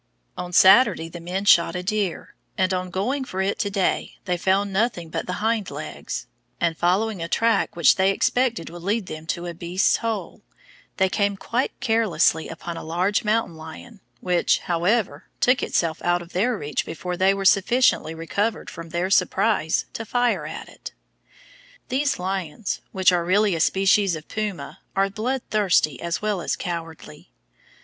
On Saturday the men shot a deer, and on going for it to day they found nothing but the hind legs, and following a track which they expected would lead them to a beast's hole, they came quite carelessly upon a large mountain lion, which, however, took itself out of their reach before they were sufficiently recovered from their surprise to fire at it. These lions, which are really a species of puma, are bloodthirsty as well as cowardly.